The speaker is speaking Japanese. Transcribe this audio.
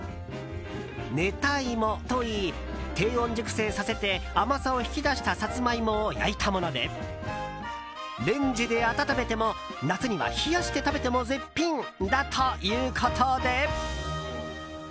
寝た芋といい、低温熟成させて甘さを引き出したさつま芋を焼いたものでレンジで温めても夏には冷やして食べても絶品だということで。